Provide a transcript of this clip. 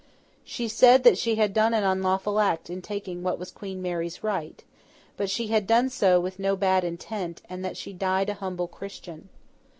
She said that she had done an unlawful act in taking what was Queen Mary's right; but that she had done so with no bad intent, and that she died a humble Christian.